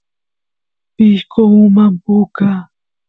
pishqo uman puka